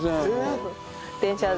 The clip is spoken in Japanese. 電車で。